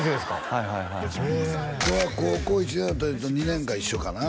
はいはいはいはいこれは高校１年の時と２年が一緒かな